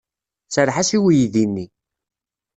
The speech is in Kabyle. Serreḥ-as i uydi-nni.